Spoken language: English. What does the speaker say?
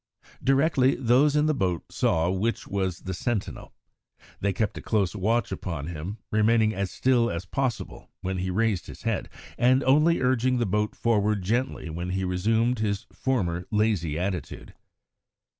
Directly those in the boat saw which was the sentinel, they kept a close watch upon him, remaining as still as possible when he raised his head and only urging the boat forward gently when he resumed his former lazy attitude.